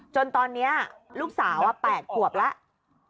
จนตอนนี้ลูกสาว๘ขวบแล้ว